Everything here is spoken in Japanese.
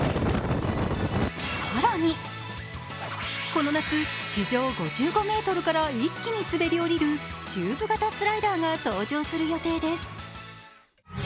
この夏、地上５５ｍから一気に滑り降りるチューブ型スライダーが登場する予定です。